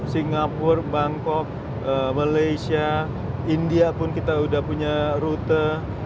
singapura bangkok malaysia india pun kita sudah punya rute